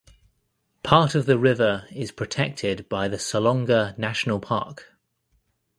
Part of the river is protected by the Salonga National Park.